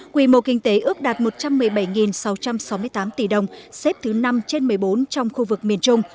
quy mô kinh tế ước đạt một trăm một mươi bảy sáu trăm sáu mươi tám tỷ đồng xếp thứ năm trên một mươi bốn trong khu vực miền trung